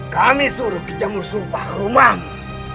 kami suruh kejam musuh di rumahmu